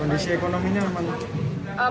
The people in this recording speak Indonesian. kondisi ekonominya apa